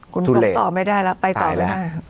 คุณธรรมต่อไม่ได้แล้วไปต่อไม่ได้